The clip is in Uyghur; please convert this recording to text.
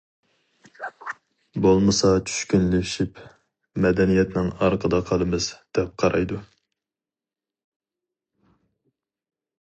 بولمىسا چۈشكۈنلىشىپ مەدەنىيەتنىڭ ئارقىدا قالىمىز، دەپ قارايدۇ.